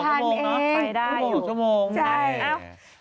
ไปได้อยู่